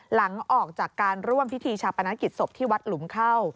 หลังจากการร่วมพิธีชาปนกิจศพที่วัดหลุมเข้า